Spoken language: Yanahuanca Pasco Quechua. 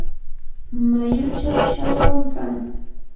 mayuchaw challwam kan.